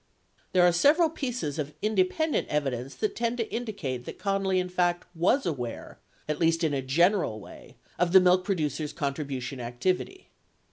43 There are several pieces of independent evidence that tend to indi cate that Connally in fact was aware, at least in a general way, of the milk producers' contribution activity.